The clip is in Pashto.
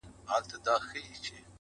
• هغه سړی کلونه پس دی؛ راوتلی ښار ته؛